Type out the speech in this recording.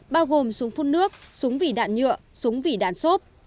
bao gồm súng phun nước súng vỉ đạn nhựa súng vỉ đạn xốp